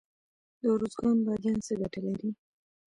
د ارزګان بادیان څه ګټه لري؟